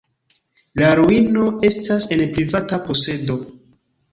La ruino estas en privata posedo.